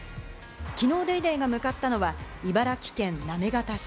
昨日『ＤａｙＤａｙ．』が向かったのは、茨城県行方市。